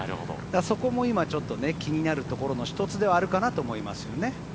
そこも今、ちょっと気になるところの１つではあるかなと思いますよね。